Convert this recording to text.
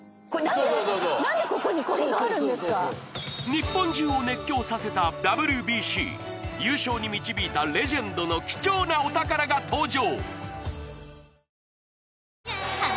日本中を熱狂させたＷＢＣ優勝に導いたレジェンドの貴重なお宝が登場